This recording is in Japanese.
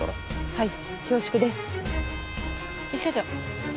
はい。